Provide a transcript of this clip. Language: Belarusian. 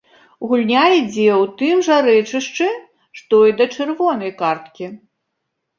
Гульня ідзе ў тым жа рэчышчы, што і да чырвонай карткі.